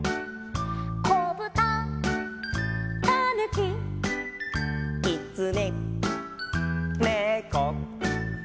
「こぶた」「たぬき」「きつね」「ねこ」